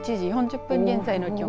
１時４０分現在の気温。